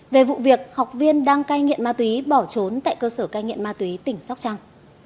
về vụ việc học viên đang cai nghiện ma túy bỏ trốn tại cơ sở cai nghiện ma túy tỉnh sóc trăng